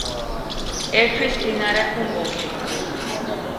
ერთვის მდინარე ჰუმბოლდტი.